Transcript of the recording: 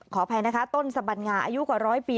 ขออภัยนะคะต้นสบัญงาอายุกว่าร้อยปี